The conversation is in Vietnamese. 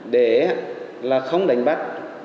để là không đánh bắt